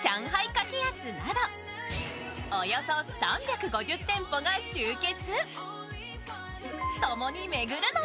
柿安などおよそ３５０店舗が集結。